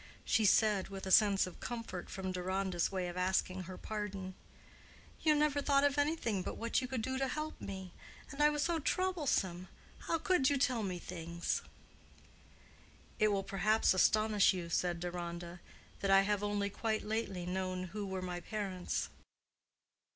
She said, with a sense of comfort from Deronda's way of asking her pardon, "You never thought of anything but what you could do to help me; and I was so troublesome. How could you tell me things?" "It will perhaps astonish you," said Deronda, "that I have only quite lately known who were my parents."